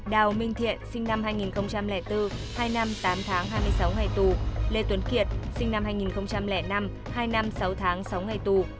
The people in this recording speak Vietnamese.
đào minh thiện sinh năm hai nghìn bốn hai năm tám tháng hai mươi sáu ngày tù lê tuấn kiệt sinh năm hai nghìn năm hai năm sáu tháng sáu ngày tù